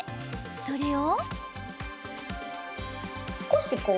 それを。